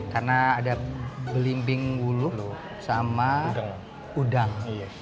karena ada belimbing ulu sama udang